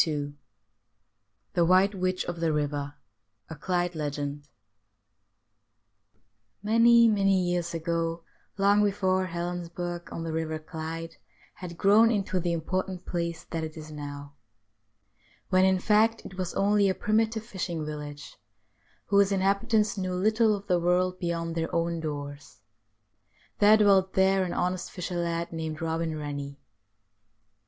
13 II THE WHITE WITCH OF THE RIVER— A CLYDE LEGEND Many, many years ago, long before Helensburgh, on the Eiver Clyde, had grown into the important place that it is now ; when, in fact, it was only a primitive fishing village, whose inhabitants knew little of the world beyond their own doors, there dwelt there an honest fisher lad, named Eobin Eennie.